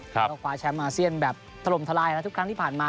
ก็คว้าแชมป์อาเซียนแบบถล่มทลายนะทุกครั้งที่ผ่านมา